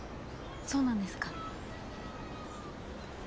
そうなんですか。